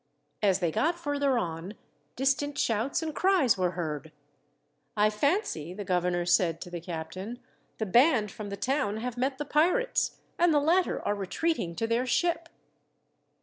As they got further on, distant shouts and cries were heard. "I fancy," the governor said to the captain, "the band from the town have met the pirates, and the latter are retreating to their ship."